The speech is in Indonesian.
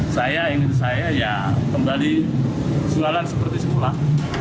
saya ingin saya ya kembali selalu seperti sekolah